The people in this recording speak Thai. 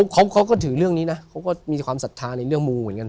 เขาก็ถือเรื่องนี้นะเขาก็มีความศรัทธาในเรื่องมูเหมือนกัน